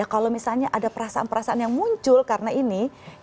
kalau misalnya ada perasaan perasaan yang muncul karena ini